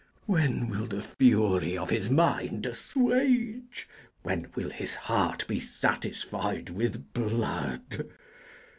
When will the fury of his mind assuage? When will his heart be satisfied with blood?